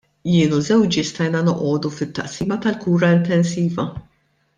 Jien u żewġi stajna noqogħdu fit-Taqsima tal-Kura Intensiva.